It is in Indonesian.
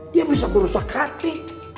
dia bisa merusak hati